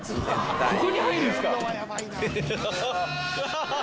ここに入るんすか？